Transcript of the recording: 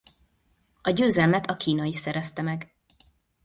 A győzelmet a kínai szerezte meg.